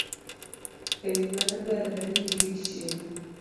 E wi mano, dwarore ni girit chiemo